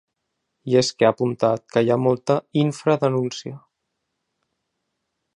I és que ha apuntat que hi ha molta “infradenúncia”.